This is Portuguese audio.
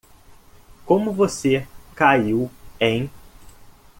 Como você caiu em?